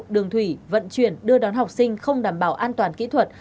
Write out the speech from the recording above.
đường thủy vận chuyển đưa đón học sinh không đảm bảo an toàn kỹ thuật